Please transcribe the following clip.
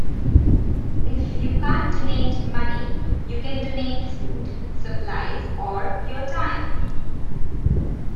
If you can't donate money, you can donate food, supplies or your time.